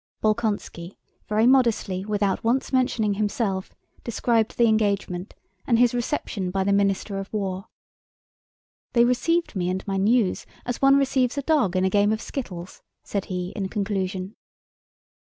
Bolkónski, very modestly without once mentioning himself, described the engagement and his reception by the Minister of War. "They received me and my news as one receives a dog in a game of skittles," said he in conclusion.